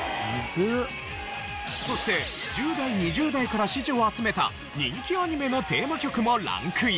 そして１０代２０代から支持を集めた人気アニメのテーマ曲もランクイン！